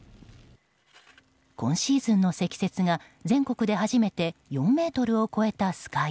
今シーズンの積雪が全国で初めて４ｍを超えた酸ヶ湯。